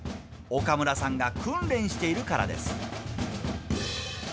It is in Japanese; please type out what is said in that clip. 岡村さんが訓練しているからです。